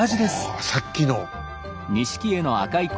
あさっきの。